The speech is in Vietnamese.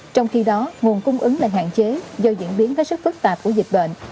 trong khi đó nguồn cung ứng lại hạn chế do diễn biến hết sức phức tạp của dịch bệnh